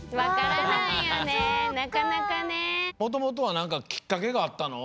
もともとはなんかきっかけがあったの？